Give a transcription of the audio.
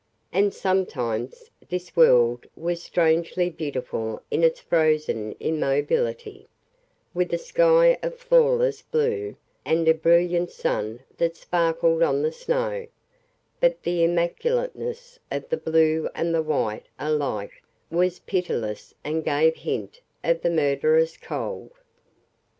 And sometimes this world was strangely beautiful in its frozen immobility, with a sky of flawless blue and a brilliant sun that sparkled on the snow; but the immaculateness of the blue and the white alike was pitiless and gave hint of the murderous cold.